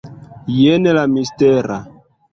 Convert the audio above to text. Jen la mistera...